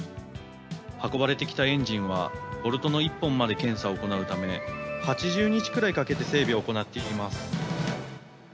運ばれてきたエンジンは、ボルトの一本まで検査を行うため、８０日くらいかけて整備を行っています。